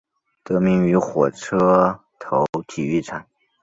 得名于火车头体育场。